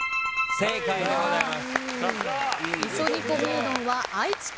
正解でございます。